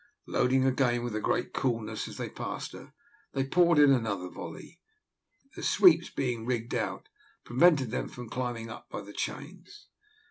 Loading again with the greatest coolness, as they passed her, they poured in another volley. The sweeps being rigged out, prevented them from climbing up by the chains.